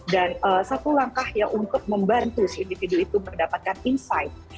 dan satu langkah untuk membantu si individual itu mendapatkan insight